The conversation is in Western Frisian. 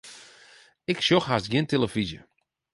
Ik sjoch hast gjin telefyzje.